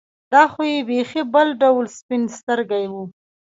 دا خو یې بېخي بل ډول سپین سترګي وه.